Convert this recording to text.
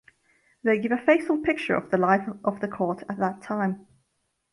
They give a faithful picture of the life of the court at that time.